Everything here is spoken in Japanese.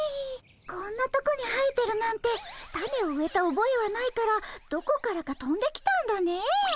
こんなとこに生えてるなんてたねを植えたおぼえはないからどこからかとんできたんだね。